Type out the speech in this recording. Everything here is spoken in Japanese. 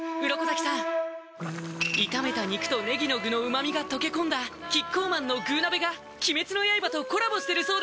鱗滝さん炒めた肉とねぎの具の旨みが溶け込んだキッコーマンの「具鍋」が鬼滅の刃とコラボしてるそうです